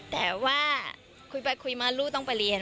แต่ว่าคุยไปคุยมาลูกต้องไปเรียน